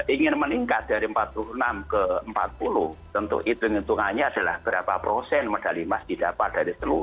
ingin meningkat dari empat puluh enam ke empat puluh tentu hitung hitungannya adalah berapa prosen medali emas didapat dari seluruh